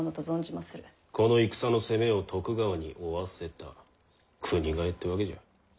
この戦の責めを徳川に負わせた国替えってわけじゃ。